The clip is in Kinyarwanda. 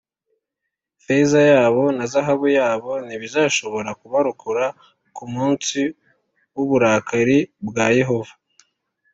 Feza yabo na zahabu yabo ntibizashobora kubarokora ku munsi w’uburakari bwa Yehova